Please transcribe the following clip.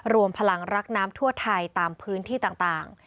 รวมพลังรักน้ำทั่วไทยตามพื้นที่ต่าง